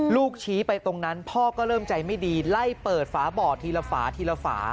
ชี้ไปตรงนั้นพ่อก็เริ่มใจไม่ดีไล่เปิดฝาบ่อทีละฝาทีละฝา